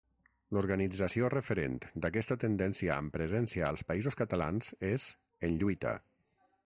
L'organització referent d'aquesta tendència amb presència als Països Catalans és En lluita.